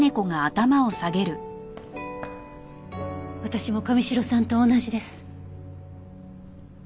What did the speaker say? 私も神城さんと同じです。